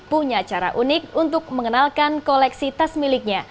punya cara unik untuk mengenalkan koleksi tas miliknya